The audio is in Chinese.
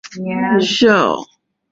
并进入了东京中央陆军幼年学校。